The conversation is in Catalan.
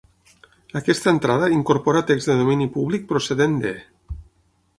"Aquesta entrada incorpora text de domini públic procedent de:"